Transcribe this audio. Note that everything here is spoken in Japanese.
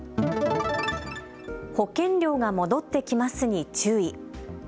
保険料が戻ってきますに注意。